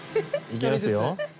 いきますよ？